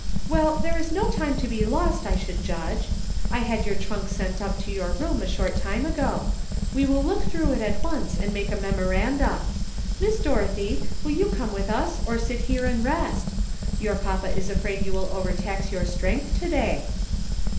Well, there is no time to be lost, I should judge. I had your trunk sent up to your room a short time ago. "We will look through it at once and make a memoranda. Miss Dorothy, will you come with us or sit here and rest? Your papa is afraid you will overtax your strength to day."